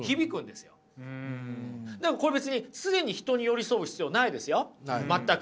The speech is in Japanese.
でもこれ別に常に人に寄り添う必要ないですよ全く。